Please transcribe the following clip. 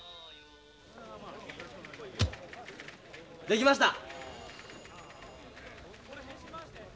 できました。